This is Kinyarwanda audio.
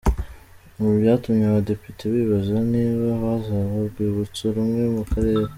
Ibi byatumye abadepite bibaza niba hazabaho urwibutso rumwe mu karere.